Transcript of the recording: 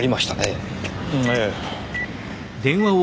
ええ。